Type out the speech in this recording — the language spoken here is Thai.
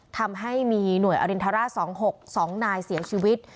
ทำให้มีหน่วยอรินทราช๒๖๒นายเสียชีวิต